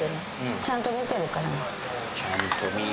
ちゃんと見てるー。